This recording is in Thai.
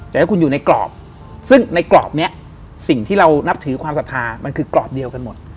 แต่ถ้าคุณอยู่ในกรอบซึ่งในกรอบนี้สิ่งที่เรานับถือความศรัทธามันคือกรอบเดียวกันหมด